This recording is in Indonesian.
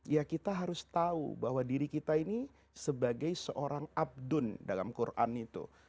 ya kita harus tahu bahwa diri kita ini sebagai seorang abdun dalam quran itu